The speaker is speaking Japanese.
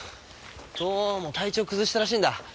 どうも体調崩したらしいんだ。